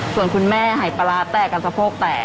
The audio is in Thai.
ส่วนคุณแม่หายปลาร้าแตกกันสะโพกแตก